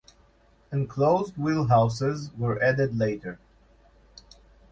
Enclosed wheelhouses were added later.